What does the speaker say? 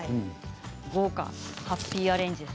豪華、ハッピーアレンジです。